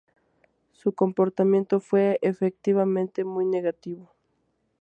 Su comportamiento fue efectivamente muy negativo.